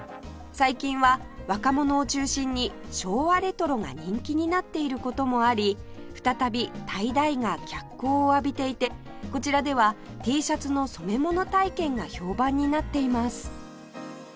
最近は若者を中心に昭和レトロが人気になっている事もあり再びタイダイが脚光を浴びていてこちらでは Ｔ シャツの染め物体験が評判になっています